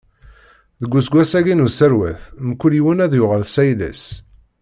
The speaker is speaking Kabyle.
Deg useggas-agi n userwet, mkul yiwen ad yuɣal s ayla-s.